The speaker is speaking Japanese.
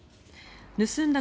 盗んだ